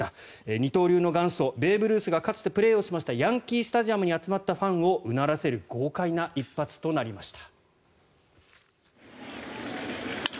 二刀流の元祖、ベーブ・ルースがかつてプレーしましたヤンキー・スタジアムに集まったファンをうならせる豪快な一発となりました。